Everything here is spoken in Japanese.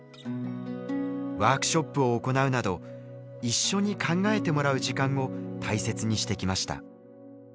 ワークショップを行うなど一緒に考えてもらう時間を大切にしてきました。